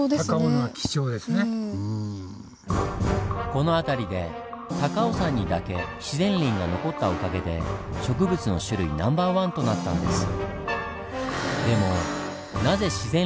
この辺りで高尾山にだけ自然林が残ったおかげで植物の種類ナンバーワンとなったんです。